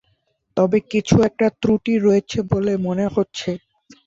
তবে কিছু একটা ত্রুটি রয়েছে বলে মনে হচ্ছে।